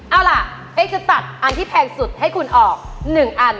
เอาล่ะเป๊กจะตัดอันที่แพงสุดให้คุณออก๑อัน